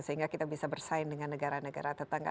sehingga kita bisa bersaing dengan negara negara tetangga